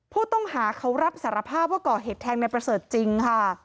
ผู้ต้องหาเขารับสารภาพว่าก่อเหตุแทงในประเสริฐจริงค่ะ